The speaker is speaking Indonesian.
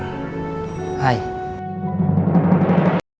aku gak ikut ganteng melupa